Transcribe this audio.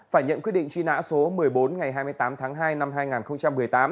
phải nhận quyết định truy nã số một mươi bốn ngày hai mươi tám tháng hai năm hai nghìn một mươi tám